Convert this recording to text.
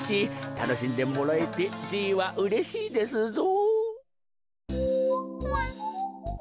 たのしんでもらえてじいはうれしいですぞ。